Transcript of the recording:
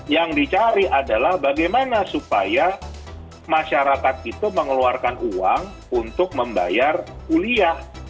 yang dicari adalah bagaimana supaya masyarakat itu mengeluarkan uang untuk membayar kuliah